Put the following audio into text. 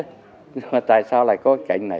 nhưng mà tại sao lại có cảnh này